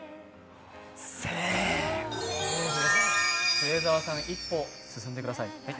末澤さん、一歩進んでください。